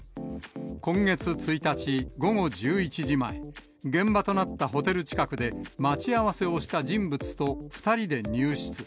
今月１日午後１１時前、現場となったホテル近くで待ち合わせをした人物と２人で入室。